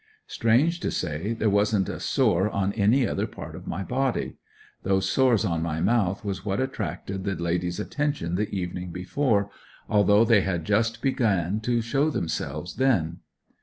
Strange to say there wasn't a sore on any other part of my body. Those sores on my mouth was what attracted the lady's attention the evening before, although they had just began to show themselves then.